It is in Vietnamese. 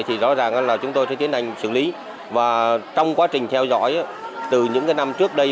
thì rõ ràng là chúng tôi sẽ tiến hành xử lý và trong quá trình theo dõi từ những năm trước đây